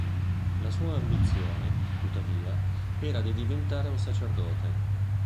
La sua ambizione, tuttavia, era di diventare un sacerdote.